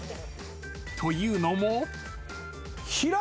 ［というのも］